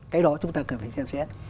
cái đó chúng ta cần phải xem xét